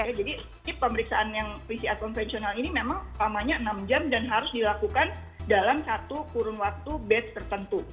dan juga untuk pemeriksaan yang pcr konvensional ini memang lamanya enam jam dan harus dilakukan dalam satu kurun waktu batch tertentu